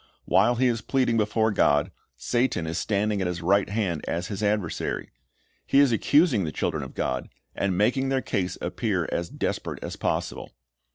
While he is pleading before God, Satan is standing at his right hand as his adversary'. He is accusing the children of God, and making their case appear as desperate as possible.